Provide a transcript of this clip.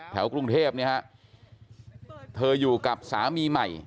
กรุงเทพเนี่ยฮะเธออยู่กับสามีใหม่